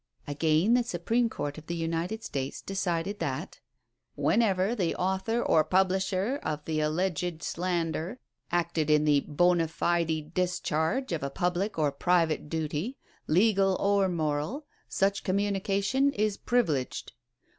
Again, the Supreme Court of the United States decided that :" Whenever the author or publisher of the alleged slander acted in the boi\a fide discharge of a public or pri vate duty, legal or moral, such communication is privi leged."